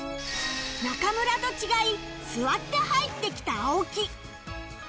中村と違い座って入ってきた青木